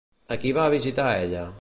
A qui va a visitar ella?